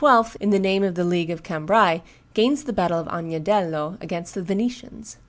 in the name of the League of Cambrai, gains the battle of Agnadello against the Venetians.